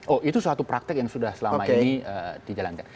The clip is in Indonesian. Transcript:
oh itu suatu praktek yang sudah selama ini dijalankan